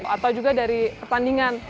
atau juga dari pertandingan